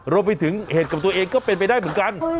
รวมไปถึงเหตุกับตัวเองก็เป็นไปได้เหมือนกัน